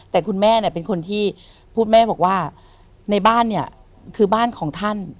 แต่คุณแม่เนี่ยเป็นคนที่พูดแม่บอกว่าในบ้านเนี่ยคือบ้านของท่าน